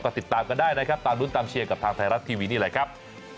ก็ติดตามกันได้นะครับตามรุ้นตามเชียร์กับทางไทยรัฐทีวีนี่แหละครับ